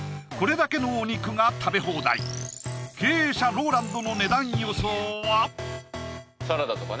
これだけのお肉が食べ放題経営者・ローランドの値段予想は？